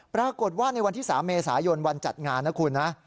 ปรากฏว่าในวันที่๓เมษายนวันจัดงานนะคุณนะ